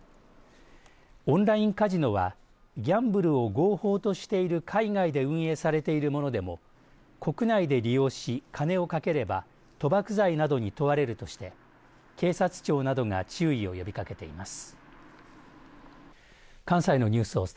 オンラインカジノはギャンブルを合法としている海外で運営されているものでも国内で利用し金をかければ賭博罪などに問われるとして警察庁などが注意を呼びかけています。